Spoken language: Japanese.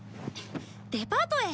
デパートへ。